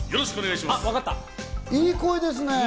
いい声ですね。